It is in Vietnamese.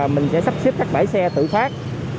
mình sẽ sắp xếp các bãi xe tự phát